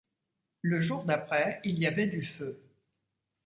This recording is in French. Le jour d’après, il y avait du feu.